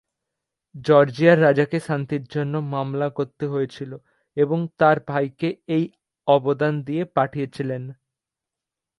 জর্জিয়ার রাজাকে শান্তির জন্য মামলা করতে হয়েছিল, এবং তার ভাইকে এই অবদান দিয়ে পাঠিয়েছিলেন।